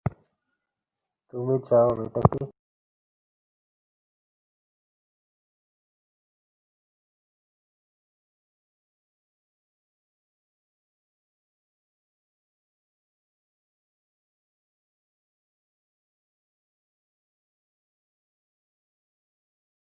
ছিপ ফেলিয়া ছাতিম গাছের ছায়ায় বসিয়া চারিদিকে চাহিতেই তাহার মান অপূর্ব পুলকে ভরিয়া ওঠে।